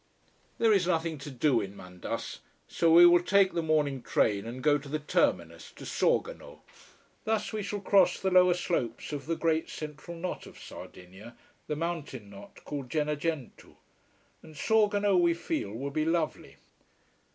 There is nothing to do in Mandas. So we will take the morning train and go to the terminus, to Sorgono. Thus, we shall cross the lower slopes of the great central knot of Sardinia, the mountain knot called Gennargentu. And Sorgono we feel will be lovely.